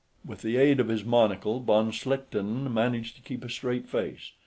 With the aid of his monocle, von Schlichten managed to keep a straight face.